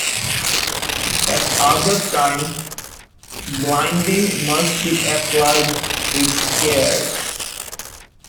At other times, blinding must be applied with care.